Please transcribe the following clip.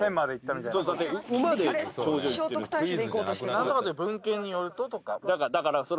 「何とかという文献によると」とか。